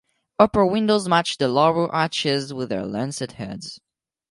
Upper windows matched the lower arches with their lancet heads.